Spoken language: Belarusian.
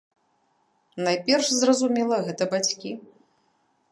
Найперш, зразумела, гэта бацькі.